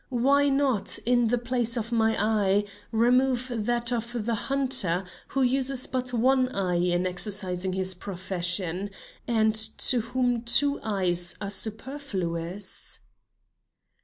Why not, in the place of my eye, remove that of the hunter who uses but one eye in exercising his profession, and to whom two eyes are superfluous?"